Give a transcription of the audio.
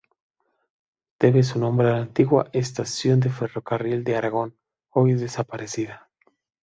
Debe su nombre a la antigua estación de ferrocarril de Aragón, hoy desaparecida.